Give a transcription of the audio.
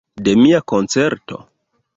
De mia koncerto?